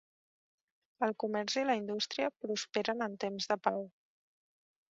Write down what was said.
El comerç i la indústria prosperen en temps de pau.